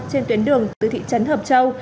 trên tuyến đường từ thị trấn hợp châu